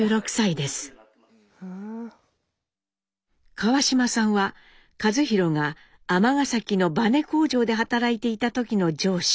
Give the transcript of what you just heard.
川島さんは一寛が尼崎のバネ工場で働いていた時の上司。